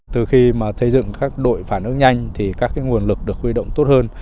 từ khi mà xây dựng các đội phản ứng nhanh thì các nguồn lực được khuy động tốt hơn